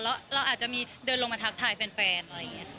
แล้วเราอาจจะมีเดินลงมาทักทายแฟนอะไรอย่างนี้